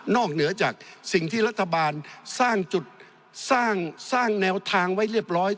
นอกเหนือจากสิ่งที่รัฐบาลสร้างแนวทางไว้เรียบร้อย